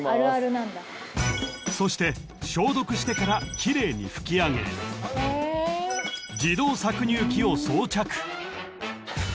［そして消毒してから奇麗に拭き上げ自動搾乳機を装着］